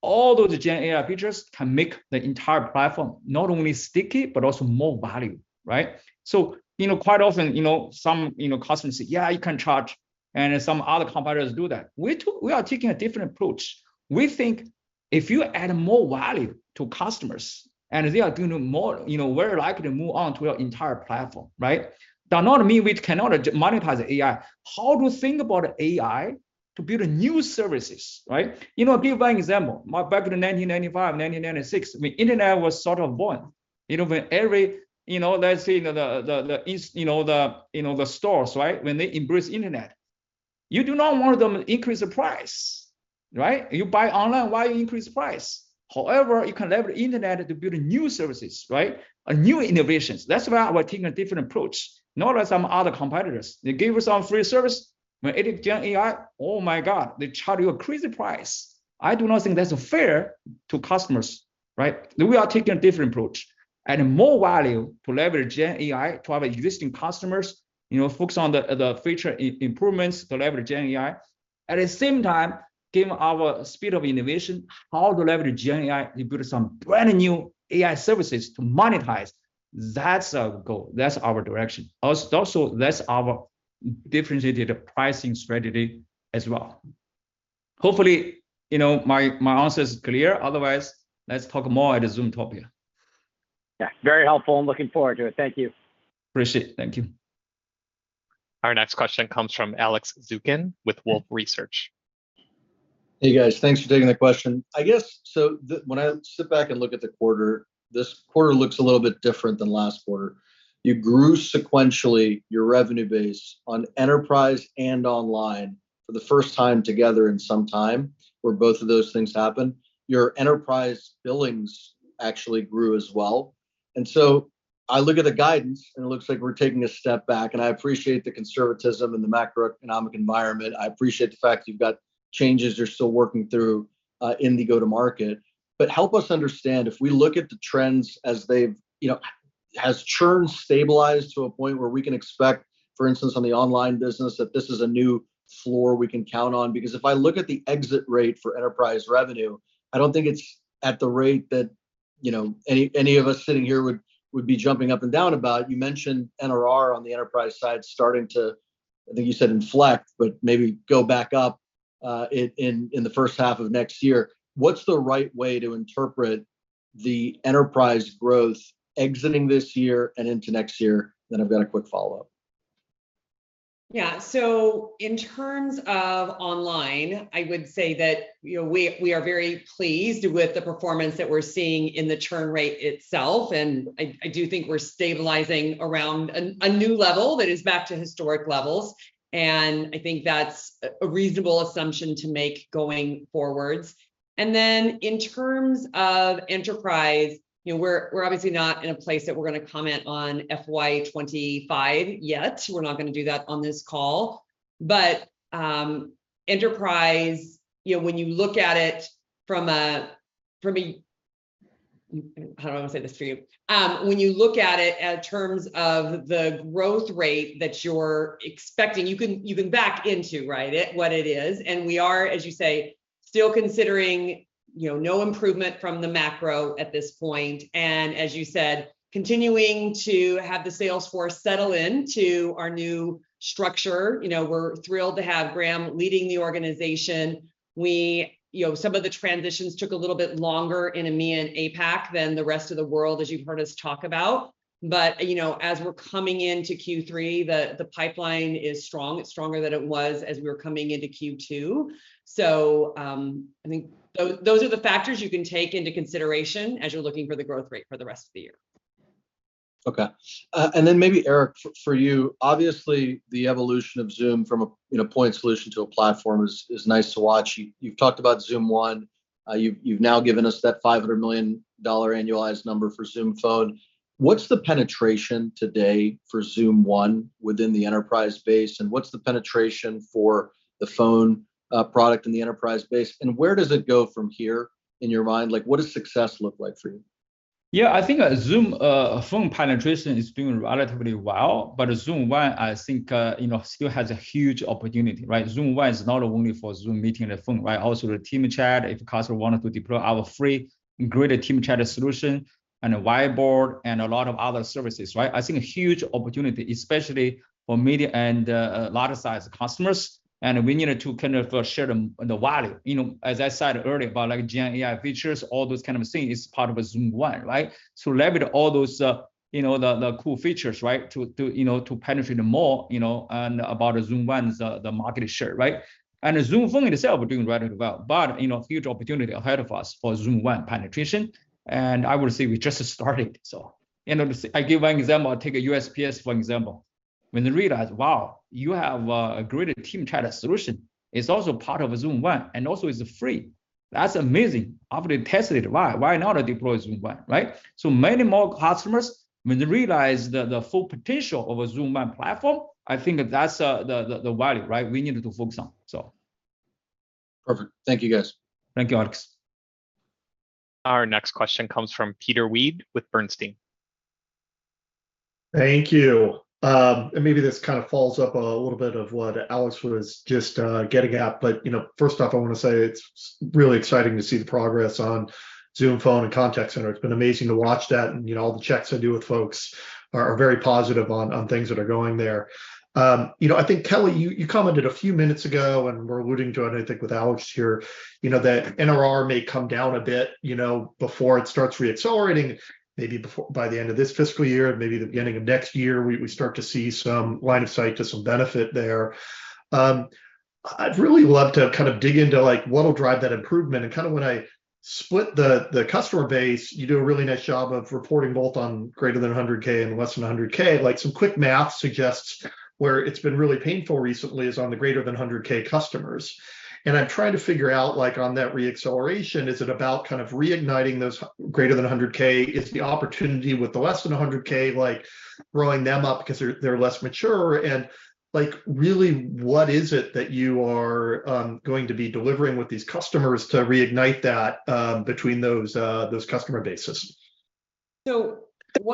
All those GenAI features can make the entire platform not only sticky, but also more value, right? You know, quite often, you know, some, you know, customers say, "Yeah, you can charge," and some other competitors do that. We are taking a different approach. We think if you add more value to customers, and they are doing more, you know, we're likely to move on to our entire platform, right? That not mean we cannot monetize the AI. How to think about AI to build new services, right? You know, give an example. Back in the 1995, 1996, I mean, internet was sort of born, you know, when every, you know, let's say, the, the, the, you know, the, you know, the stores, right, when they embrace internet. You do not want them to increase the price, right? You buy online, why increase price? However, you can leverage internet to build new services, right? New innovations. That's why we're taking a different approach, not like some other competitors. They give you some free service, when it hit GenAI, oh, my God, they charge you a crazy price! I do not think that's fair to customers, right? We are taking a different approach. Adding more value to leverage GenAI to our existing customers, you know, focus on the feature improvements to leverage GenAI. At the same time, given our speed of innovation, how to leverage GenAI to build some brand-new AI services to monetize, that's our goal, that's our direction. Also, that's our differentiated pricing strategy as well. Hopefully, you know, my answer is clear. Otherwise, let's talk more at Zoomtopia. Yeah, very helpful and looking forward to it. Thank you. Appreciate it. Thank you. Our next question comes from Alex Zukin with Wolfe Research. Hey, guys. Thanks for taking the question. I guess, When I sit back and look at the quarter, this quarter looks a little bit different than last quarter. You grew sequentially, your revenue base, on enterprise and online for the first time together in some time, where both of those things happened. Your enterprise billings actually grew as well. I look at the guidance, and it looks like we're taking a step back, and I appreciate the conservatism in the macroeconomic environment. I appreciate the fact you've got changes you're still working through in the go-to-market. Help us understand, if we look at the trends as they've, you know, has churn stabilized to a point where we can expect, for instance, on the online business, that this is a new floor we can count on? Because if I look at the exit rate for enterprise revenue, I don't think it's at the rate that, you know, any, any of us sitting here would, would be jumping up and down about. You mentioned NRR on the enterprise side starting to, I think you said, inflect, but maybe go back up, in, in, in the first half of next year. What's the right way to interpret the enterprise growth exiting this year and into next year? I've got a quick follow-up. Yeah. In terms of online, I would say that, you know, we, we are very pleased with the performance that we're seeing in the churn rate itself, and I, I do think we're stabilizing around a, a new level that is back to historic levels, and I think that's a, a reasonable assumption to make going forwards. Then in terms of enterprise, you know, we're, we're obviously not in a place that we're gonna comment on FY25 yet. We're not gonna do that on this call. Enterprise, you know, when you look at it from a, from a... How do I say this to you? When you look at it in terms of the growth rate that you're expecting, you can, you can back into, right, it, what it is. We are, as you say, still considering, you know, no improvement from the macro at this point, and as you said, continuing to have the sales force settle into our new structure. You know, we're thrilled to have Graeme leading the organization. You know, some of the transitions took a little bit longer in EMEA and APAC than the rest of the world, as you've heard us talk about. You know, as we're coming into Q3, the, the pipeline is strong. It's stronger than it was as we were coming into Q2. I think those are the factors you can take into consideration as you're looking for the growth rate for the rest of the year. Okay. Then maybe, Eric, for you, obviously, the evolution of Zoom from a, you know, point solution to a platform is, is nice to watch. You, you've talked about Zoom One. You've, you've now given us that $500 million annualized number for Zoom Phone. What's the penetration today for Zoom One within the enterprise base, and what's the penetration for the Phone product in the enterprise base? Where does it go from here in your mind? Like, what does success look like for you? Yeah, I think, Zoom Phone penetration is doing relatively well. Zoom One, I think, you know, still has a huge opportunity, right? Zoom One is not only for Zoom Meetings and Zoom Phone, right? Also, Zoom Team Chat, if a customer wanted to deploy our free great Zoom Team Chat solution, and a whiteboard, and a lot of other services, right? I think a huge opportunity, especially for medium and large-sized customers, and we needed to kind of, share the, the value. You know, as I said earlier, about, like, GenAI features, all those kind of things is part of Zoom One, right? Leverage all those, you know, the, the cool features, right, to, to, you know, to penetrate more, you know, and about Zoom One, the, the market share, right? Zoom Phone in itself are doing rather well, but, you know, huge opportunity ahead of us for Zoom One penetration, and I would say we're just starting. You know, I give one example. Take a USPS, for example. When they realize, "Wow, you have a, a great team chat solution, it's also part of Zoom One, and also it's free. That's amazing. I've already tested it. Why? Why not deploy Zoom One," right? Many more customers, when they realize the, the full potential of a Zoom One platform, I think that's the, the, the value, right, we need to focus on. Perfect. Thank you, guys. Thank you, Alex. Our next question comes from Peter Weed with Bernstein. Thank you. Maybe this kind of follows up a little bit of what Alex was just getting at. You know, first off, I want to say it's really exciting to see the progress on Zoom Phone and Contact Center. It's been amazing to watch that, and, you know, all the checks I do with folks are very positive on things that are going there. You know, I think, Kelly, you commented a few minutes ago, and we're alluding to it, I think, with Alex here, you know, that NRR may come down a bit, you know, before it starts re-accelerating, maybe by the end of this fiscal year, and maybe the beginning of next year, we start to see some line of sight to some benefit there. I'd really love to kind of dig into, like, what will drive that improvement. And kind of when I split the, the customer base, you do a really nice job of reporting both on greater than 100K and less than 100K. Like, some quick math suggests where it's been really painful recently is on the greater than 100K customers. And I'm trying to figure out, like, on that re-acceleration, is it about kind of reigniting those greater than 100K? Is the opportunity with the less than 100K, like, growing them up because they're, they're less mature? Like, really, what is it that you are going to be delivering with these customers to reignite that between those customer bases? One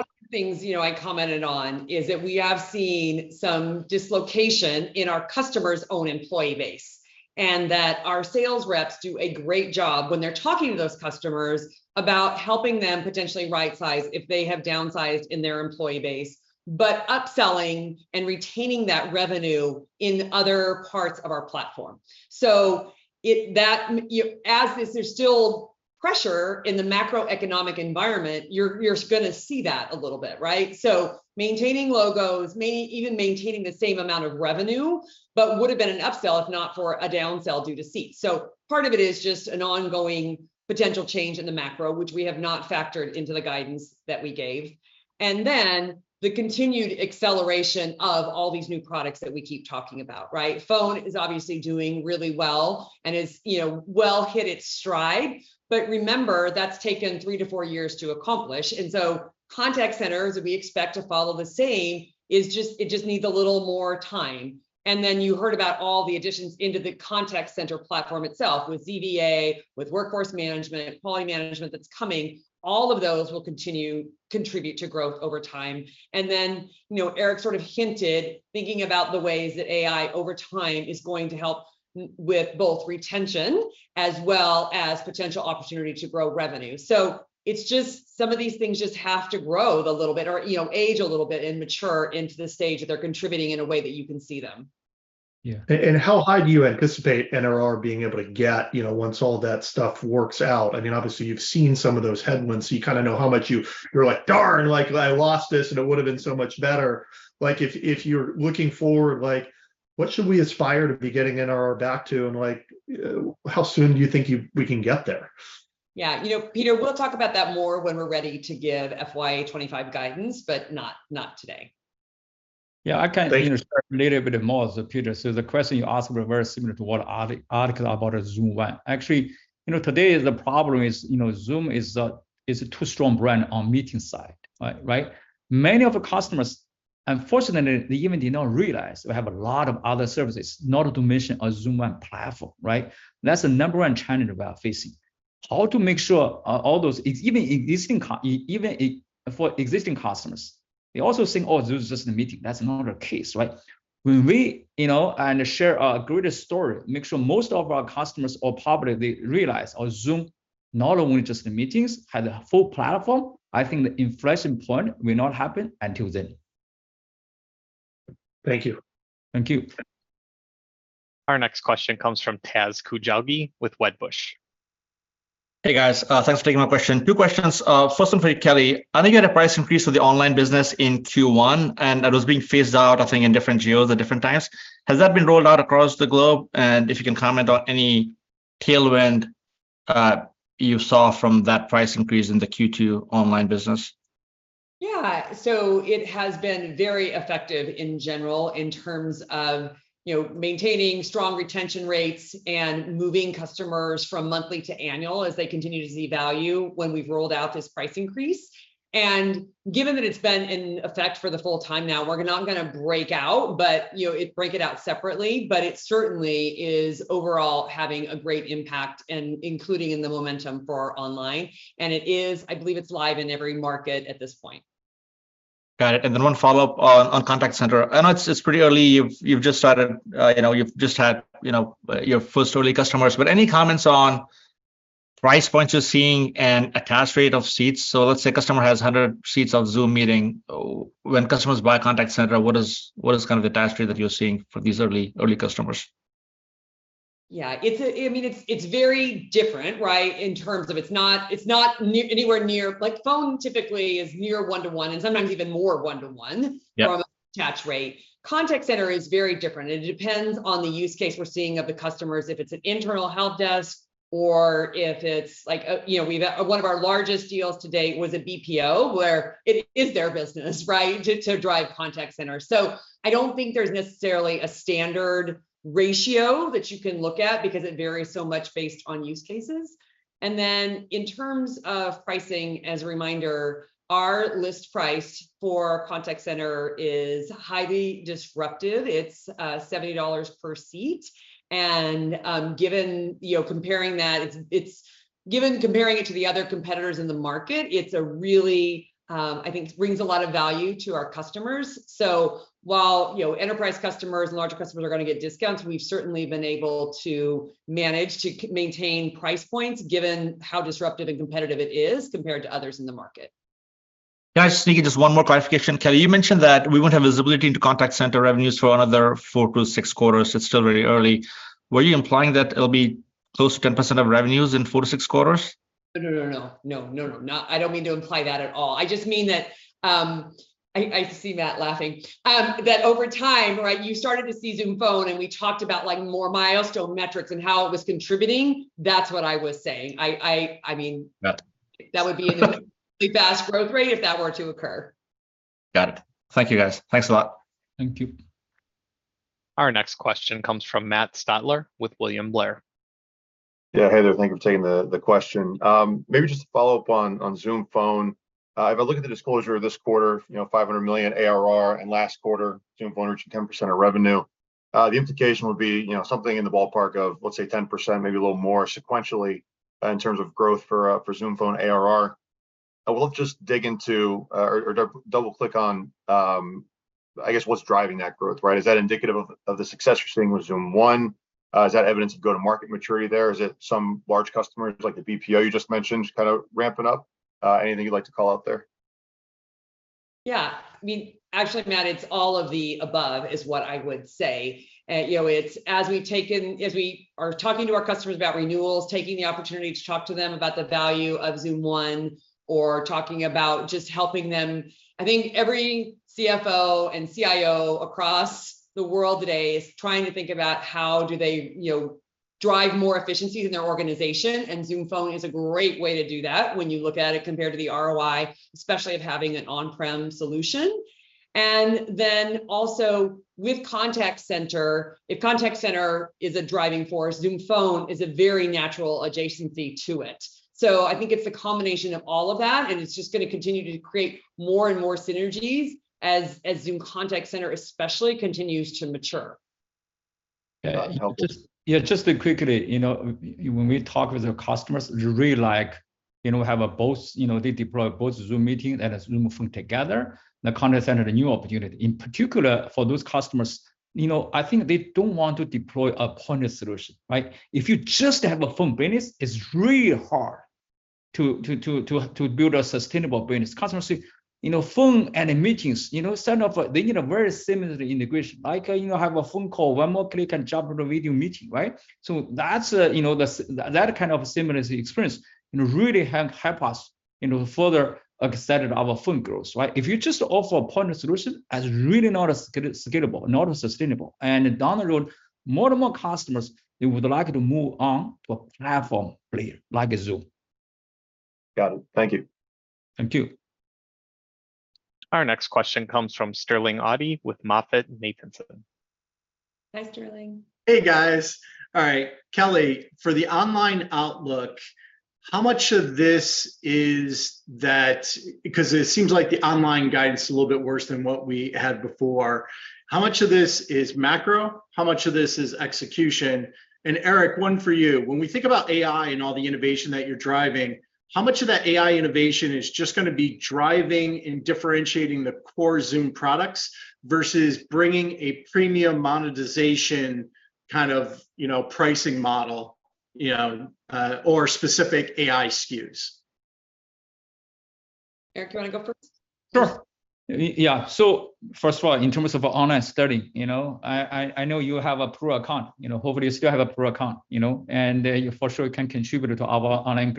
of the things, you know, I commented on is that we have seen some dislocation in our customers' own employee base, and that our sales reps do a great job when they're talking to those customers about helping them potentially rightsize if they have downsized in their employee base, but upselling and retaining that revenue in other parts of our platform. As is, there's still pressure in the macroeconomic environment. You're, you're gonna see that a little bit, right? Maintaining logos, even maintaining the same amount of revenue, but would've been an upsell if not for a downsell due to seat. Part of it is just an ongoing potential change in the macro, which we have not factored into the guidance that we gave. Then the continued acceleration of all these new products that we keep talking about, right? Phone is obviously doing really well and is, you know, well hit its stride. Remember, that's taken 3 to 4 years to accomplish, contact centers, we expect to follow the same, it just needs a little more time. You heard about all the additions into the contact center platform itself, with ZVA, with workforce management, quality management that's coming, all of those will continue contribute to growth over time. You know, Eric sort of hinted, thinking about the ways that AI, over time, is going to help with both retention as well as potential opportunity to grow revenue. It's just some of these things just have to grow a little bit or, you know, age a little bit and mature into the stage that they're contributing in a way that you can see them. Yeah, and, and how high do you anticipate NRR being able to get, you know, once all that stuff works out? I mean, obviously you've seen some of those headwinds, so you kind of know how much you're like, "Darn! Like, I lost this, and it would've been so much better." Like, if, if you're looking forward, like, what should we aspire to be getting NRR back to, and, like, how soon do you think we can get there? Yeah, you know, Peter, we'll talk about that more when we're ready to give FY25 guidance, but not, not today. Yeah. Thank you.... you know, start a little bit more, Peter. The question you asked was very similar to what are the articles about Zoom One. Actually, you know, today the problem is, you know, Zoom is a, is a too strong brand on Meeting side, right? Right. Many of our customers, unfortunately, they even do not realize we have a lot of other services, not to mention our Zoom One platform, right? That's the number one challenge we are facing. How to make sure all those even existing customers, they also think, "Oh, Zoom is just a meeting." That's not the case, right? When we, you know, and share our greatest story, make sure most of our customers or probably they realize our Zoom, not only just the meetings, has a full platform. I think the inflection point will not happen until then. Thank you. Thank you. Our next question comes from Imtiaz Koujalgi with Wedbush. Hey, guys. thanks for taking my question. Two questions. first one for you, Kelly. I think you had a price increase with the online business in Q1. That was being phased out, I think, in different geos at different times. Has that been rolled out across the globe? If you can comment on any tailwind, you saw from that price increase in the Q2 online business. Yeah. It has been very effective in general in terms of, you know, maintaining strong retention rates and moving customers from monthly to annual as they continue to see value when we've rolled out this price increase. Given that it's been in effect for the full time now, we're not gonna break out, but, you know, break it out separately, but it certainly is overall having a great impact, and including in the momentum for our online. It is... I believe it's live in every market at this point. Got it. One follow-up on, on Contact Center. I know it's, it's pretty early. You've, you've just started, you've just had your first early customers, but any comments on price points you're seeing and attach rate of seats? Let's say a customer has 100 seats of Zoom Meetings, when customers buy Contact Center, what is, what is kind of the attach rate that you're seeing for these early, early customers? Yeah, I mean, it's very different, right? In terms of it's not anywhere near. Like, phone typically is near one to one, and sometimes even more one to one. Yeah... from attach rate. Contact center is very different. It depends on the use case we're seeing of the customers, if it's an internal help desk or if it's like a, you know, we've- one of our largest deals to date was a BPO, where it is their business, right? To, to drive contact center. I don't think there's necessarily a standard ratio that you can look at because it varies so much based on use cases. Then in terms of pricing, as a reminder, our list price for contact center is highly disruptive. It's $70 per seat. Given, you know, comparing that, it's, it's- given comparing it to the other competitors in the market, it's a really, I think brings a lot of value to our customers. While, you know, enterprise customers and larger customers are gonna get discounts, we've certainly been able to manage to maintain price points, given how disruptive and competitive it is compared to others in the market. Can I just sneak in just one more clarification, Kelly? You mentioned that we won't have visibility into contact center revenues for another 4-6 quarters. It's still very early. Were you implying that it'll be close to 10% of revenues in four to six quarters? No, no, no. No, no, no. Not, I don't mean to imply that at all. I just mean that, I see Matt laughing. That over time, right, you started to see Zoom Phone, and we talked about, like, more milestone metrics and how it was contributing. That's what I was saying. I mean. Yeah... that would be a really fast growth rate if that were to occur. Got it. Thank you, guys. Thanks a lot. Thank you. Our next question comes from Matthew Stotler with William Blair. Yeah. Hey there. Thank you for taking the, the question. Maybe just to follow up on, on Zoom Phone. If I look at the disclosure this quarter, you know, $500 million ARR, and last quarter, Zoom Phone reached 10% of revenue, the implication would be, you know, something in the ballpark of, let's say, 10%, maybe a little more sequentially, in terms of growth for, for Zoom Phone ARR. I want to just dig into, or double-click on, I guess, what's driving that growth, right? Is that indicative of, of the success you're seeing with Zoom One? Is that evidence of go-to-market maturity there? Is it some large customers, like the BPO you just mentioned, just kind of ramping up? Anything you'd like to call out there? Yeah. I mean, actually, Matt, it's all of the above, is what I would say. You know, it's as we are talking to our customers about renewals, taking the opportunity to talk to them about the value of Zoom One, or talking about just helping them. I think every CFO and CIO across the world today is trying to think about how do they, you know, drive more efficiency in their organization, and Zoom Phone is a great way to do that when you look at it compared to the ROI, especially of having an on-prem solution. Also, with Contact Center, if Contact Center is a driving force, Zoom Phone is a very natural adjacency to it. I think it's a combination of all of that, and it's just gonna continue to create more and more synergies as Zoom Contact Center especially continues to mature. Got it. Okay. Yeah, just, yeah, just quickly, you know, when we talk with our customers, they really like, you know, have a both, you know, they deploy both Zoom Meeting and Zoom Phone together. The Contact Center, a new opportunity. In particular, for those customers, you know, I think they don't want to deploy a point solution, right? If you just have a phone business, it's really hard to build a sustainable business. Customers see, you know, phone and meetings, you know, sort of, they, you know, very similar integration. I can, you know, have a phone call, one more click and jump on a video meeting, right? That's a, you know, that's that kind of similarity experience, you know, really help us, you know, further accelerate our phone growth, right? If you just offer a point solution, that's really not a scalable, not sustainable. Down the road, more and more customers, they would like to move on to a platform player like Zoom. Got it. Thank you. Thank you. Our next question comes from Sterling Auty with MoffettNathanson. Hi, Sterling. Hey, guys. All right, Kelly, for the online outlook, how much of this is because it seems like the online guidance is a little bit worse than what we had before. How much of this is macro? How much of this is execution? Eric, 1 for you. When we think about AI and all the innovation that you're driving, how much of that AI innovation is just gonna be driving and differentiating the core Zoom products, versus bringing a premium monetization kind of, you know, pricing model, you know, or specific AI SKUs? Eric, you wanna go first? Sure. Yeah, first of all, in terms of online study, you know, I, I, I know you have a pro account. You know, hopefully you still have a pro account, you know, and you for sure can contribute to our online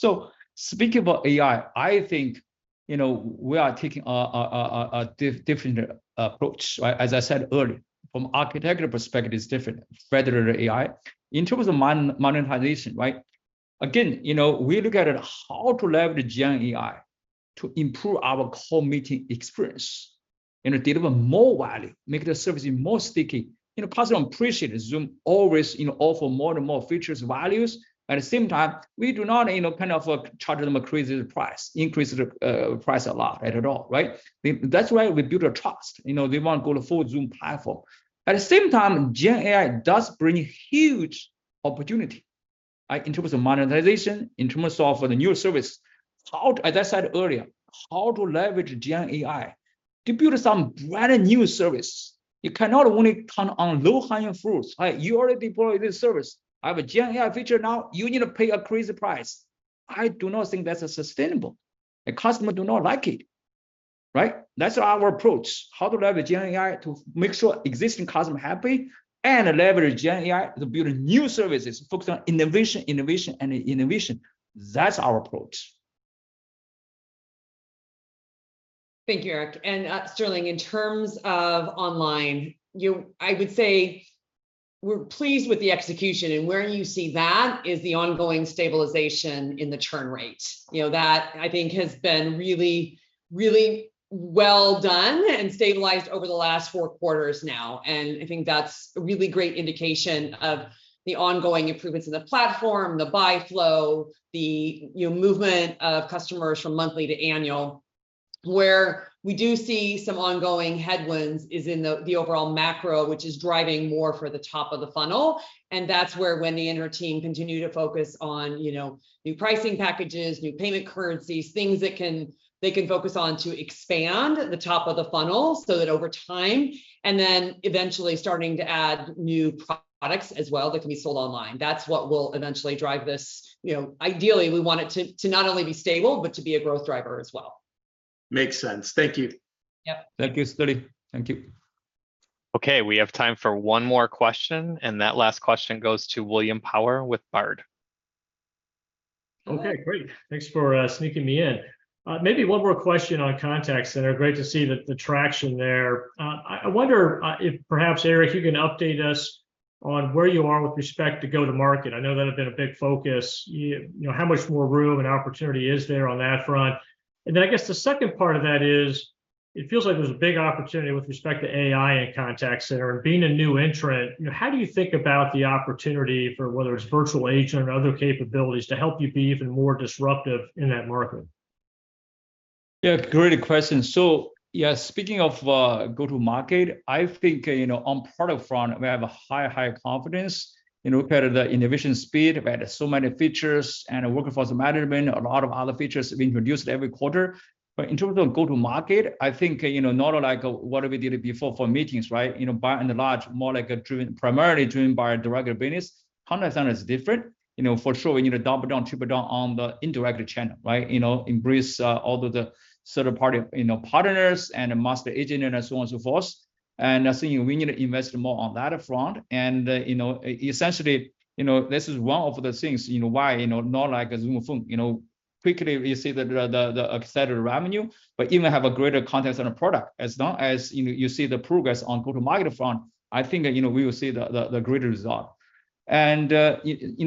growth. Speaking about AI, I think, you know, we are taking a different approach, right? As I said earlier, from architectural perspective, it's different, Federated AI. In terms of monetization, right? Again, you know, we look at how to leverage GenAI to improve our core meeting experience and deliver more value, make the service more sticky. You know, customer appreciate Zoom always, you know, offer more and more features, values. At the same time, we do not, you know, kind of, charge them a crazy price, increase the price a lot at all, right? That's why we build a trust. You know, they wanna go forward Zoom platform. At the same time, GenAI does bring huge opportunity in terms of monetization, in terms of for the new service. How, as I said earlier, how to leverage GenAI to build some brand new service. You cannot only count on low-hanging fruits, right? You already deployed this service. I have a GenAI feature now, you need to pay a crazy price. I do not think that's sustainable. The customer do not like it, right? That's our approach, how to leverage GenAI to make sure existing customer happy, and leverage GenAI to build new services focused on innovation, innovation, and innovation. That's our approach. Thank you, Eric. Sterling, in terms of online, you know, I would say we're pleased with the execution. Where you see that is the ongoing stabilization in the churn rate. You know, that I think has been really, really well done and stabilized over the last four quarters now, and I think that's a really great indication of the ongoing improvements in the platform, the buy flow, the, you know, movement of customers from monthly to annual. Where we do see some ongoing headwinds is in the, the overall macro, which is driving more for the top of the funnel. That's where Wendy and her team continue to focus on, you know, new pricing packages, new payment currencies, things that they can focus on to expand the top of the funnel. That over time, eventually starting to add new products as well that can be sold online. That's what will eventually drive this... You know, ideally, we want it to not only be stable, but to be a growth driver as well. Makes sense. Thank you. Yep. Thank you, Sterling. Thank you. Okay, we have time for one more question. That last question goes to William Power with Baird. Hello. Okay, great. Thanks for sneaking me in. Maybe one more question on contact center. Great to see the, the traction there. I, I wonder, if perhaps, Eric, you can update us on where you are with respect to go-to-market. I know that had been a big focus. You know, how much more room and opportunity is there on that front? Then I guess the second part of that is, it feels like there's a big opportunity with respect to AI and contact center. Being a new entrant, you know, how do you think about the opportunity for whether it's virtual agent or other capabilities to help you be even more disruptive in that market? Yeah, great question. Speaking of go-to-market, I think, you know, on product front, we have a high, high confidence, you know, compare to the innovation speed. We added so many features and Zoom Workforce Management, a lot of other features we introduced every quarter. In terms of go-to-market, I think, you know, not like what we did before for Zoom Meetings, right? You know, by and large, more like primarily driven by a direct business. Zoom Contact Center is different. You know, for sure we need to double down, triple down on the indirect channel, right? You know, embrace all of the third-party, you know, partners and master agent and so on and so forth. I think we need to invest more on that front. You know, essentially, you know, this is one of the things, you know, why, you know, not like a Zoom Phone. You know, quickly we see the, the, the accelerated revenue, but even have a greater contact center product. As long as, you know, you see the progress on go-to-market front, I think, you know, we will see the, the, the greater result. In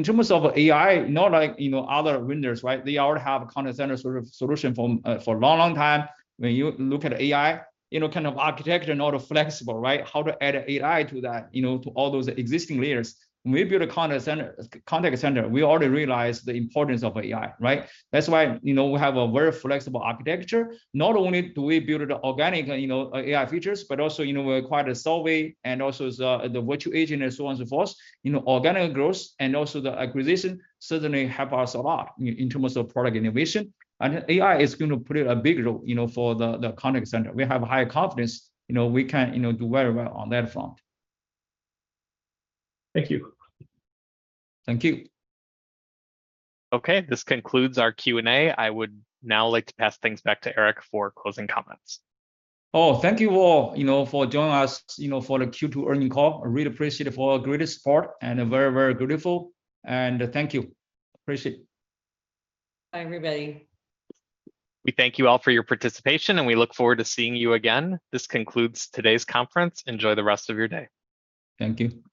terms of AI, not like, you know, other vendors, right? They already have a contact center sort of solution for, for a long, long time. When you look at AI, you know, kind of architecture, not flexible, right? How to add AI to that, you know, to all those existing layers. When we build a contact center, contact center, we already realize the importance of AI, right? That's why, you know, we have a very flexible architecture. Not only do we build organic, you know, AI features, but also, you know, we acquired Solvvy and also the, the Virtual Agent and so on and so forth. You know, organic growth and also the acquisition certainly help us a lot in, in terms of product innovation. AI is going to play a big role, you know, for the, the contact center. We have high confidence, you know, we can, you know, do very well on that front. Thank you. Thank you. This concludes our Q&A. I would now like to pass things back to Eric for closing comments. Oh, thank you all, you know, for joining us, you know, for the Q2 earnings call. I really appreciate it for all our greatest support and very, very grateful, and thank you. Appreciate it. Bye, everybody. We thank you all for your participation, and we look forward to seeing you again. This concludes today's conference. Enjoy the rest of your day. Thank you.